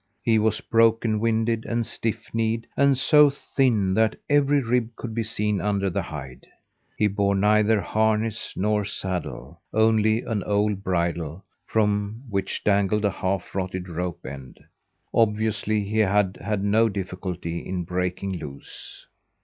He was broken winded and stiff kneed and so thin that every rib could be seen under the hide. He bore neither harness nor saddle only an old bridle, from which dangled a half rotted rope end. Obviously he had had no difficulty in breaking loose.